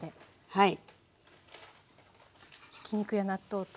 はい。